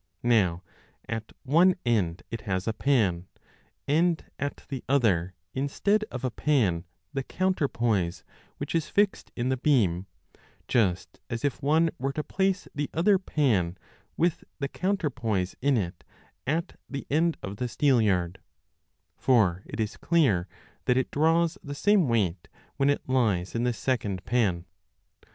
Now at one end it has a pan, and at the other instead of a pan the counterpoise which is fixed in the beam, just as if one were to place the other pan with the counterpoise in it at the end of the steelyard ; for it is clear that it draws the same weight when it lies in this second pan.